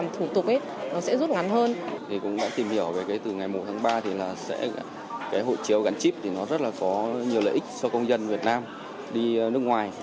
tôi cũng đã tìm hiểu về từ ngày một tháng ba hộ chiếu gắn chip rất là có nhiều lợi ích cho công dân việt nam đi nước ngoài